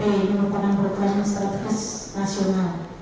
ini merupakan program strategis nasional